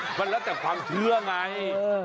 มันแล้วแต่ความเชื่อไง